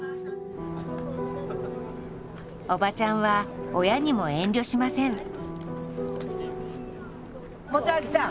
おばちゃんは親にも遠慮しません。